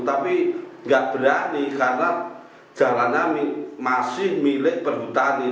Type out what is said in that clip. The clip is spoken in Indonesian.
tapi nggak berani karena jalanan masih milik perhutani